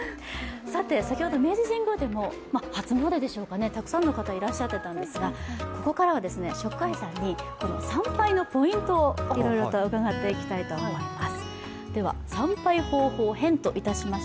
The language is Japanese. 先ほど明治神宮でもたくさんの方いらしてたんですがここからはＳＨＯＣＫＥＹＥさんに参拝のポイントをいろいろと伺っていきたいと思います。